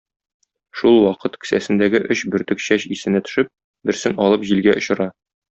Шул вакыт кесәсендәге өч бөртек чәч исенә төшеп, берсен алып җилгә очыра.